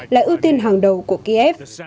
là ưu tiên hàng đầu của kiev